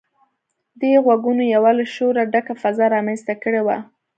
دې غږونو يوه له شوره ډکه فضا رامنځته کړې وه.